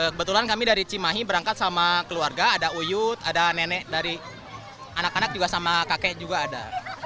kebetulan kami dari cimahi berangkat sama keluarga ada uyut ada nenek dari anak anak juga sama kakek juga ada